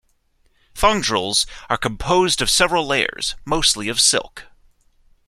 Thongdrels are composed of several layers, mostly of silk.